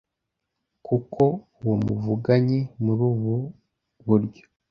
kuko uwo muvuganye muri ubu buryo